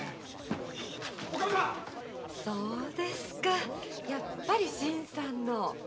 そうですかやっぱり新さんの。